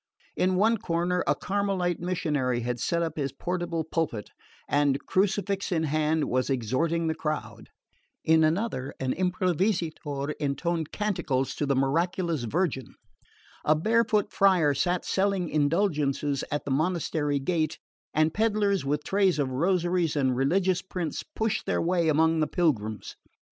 In one corner a Carmelite missionary had set up his portable pulpit, and, crucifix in hand, was exhorting the crowd; in another, an improvisatore intoned canticles to the miraculous Virgin; a barefoot friar sat selling indulgences at the monastery gate, and pedlars with trays of rosaries and religious prints pushed their way among the pilgrims.